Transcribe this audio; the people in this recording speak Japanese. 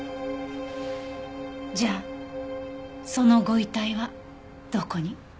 じゃあそのご遺体はどこに？